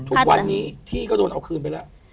ทุกวันนี้ที่ก็โดนเอาคืนไปแล้ว